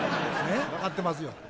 分かってますよ。